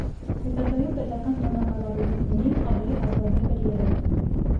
Հետագայում պետական տոնակատարություններին ավելի հազվադեպ էր երևում։